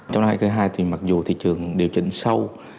trong năm hai nghìn hai mươi hai thì mặc dù thị trường điều chỉnh sâu